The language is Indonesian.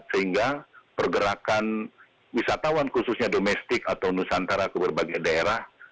sehingga pergerakan wisatawan khususnya domestik atau nusantara ke berbagai daerah